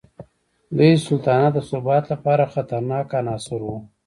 دوی د سلطنت د ثبات لپاره خطرناک عناصر وو.